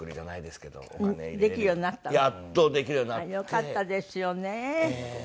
あっよかったですよね。